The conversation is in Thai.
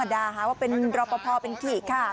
ก็มาด่าว่าเป็นรอบพอเป็นผี้ค่ะ